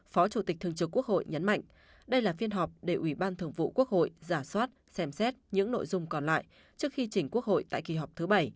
phó chủ tịch thường trực quốc hội nhấn mạnh đây là phiên họp để ủy ban thường vụ quốc hội giả soát xem xét những nội dung còn lại trước khi chỉnh quốc hội tại kỳ họp thứ bảy